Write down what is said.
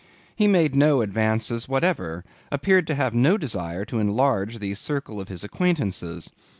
He made no advances whatever; appeared to have no desire to enlarge the circle of his acquaintances.